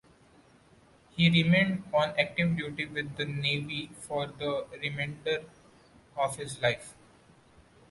He remained on active duty with the Navy for the remainder of his life.